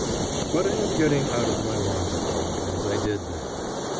But I am getting out of my longitude, as I did then.